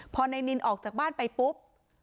พอนายนินออกจากบ้านไปปุ๊บ